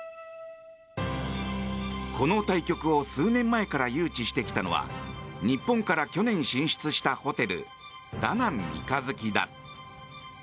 この対局を数年前から誘致してきたのは日本から去年進出したホテルダナン三日月だ。